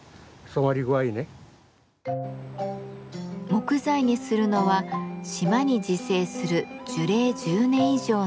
木材にするのは島に自生する樹齢１０年以上の車輪梅。